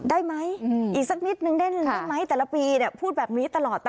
ได้ไหมอีกสักนิดนึงได้ไหมแต่ละปีพูดแบบนี้ตลอด